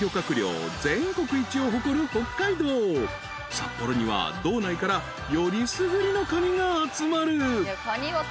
［札幌には道内からよりすぐりのカニが集まる］